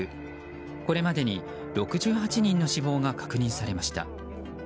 これまでに６８人の死亡が確認されました。